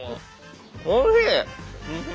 おいしい！